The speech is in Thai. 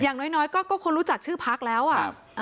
อย่างน้อยก็คนรู้จักชื่อพักแล้วอ่ะ